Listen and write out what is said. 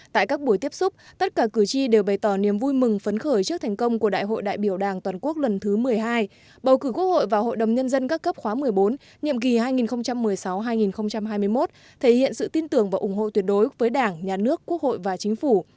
tại các buổi tiếp xúc tất cả cử tri đều bày tỏ niềm vui mừng phấn khởi trước thành công của đại hội đại biểu đảng toàn quốc lần thứ một mươi hai bầu cử quốc hội và hội đồng nhân dân các cấp khóa một mươi bốn nhiệm kỳ hai nghìn một mươi sáu hai nghìn hai mươi một thể hiện sự tin tưởng và ủng hộ tuyệt đối với đảng nhà nước quốc hội và chính phủ